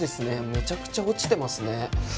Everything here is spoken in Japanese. めちゃくちゃ落ちてますね。